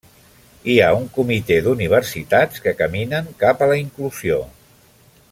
Hi ha un comitè d'universitats que caminen cap a la inclusió.